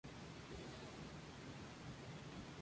Nacida en Gerona.